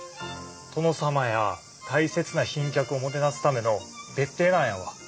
殿様や大切な賓客をもてなすための別邸なんやわ。